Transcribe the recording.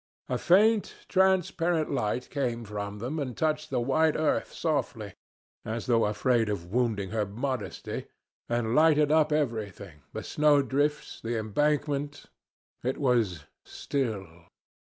A faint transparent light came from them and touched the white earth softly, as though afraid of wounding her modesty, and lighted up everything the snowdrifts, the embankment.... It was still.